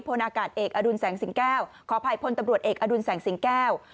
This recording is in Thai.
พลอากาศเอกอดุลแสงสิงแก้วขออภัยพลตำรวจเอกอดุลแสงสิงแก้ว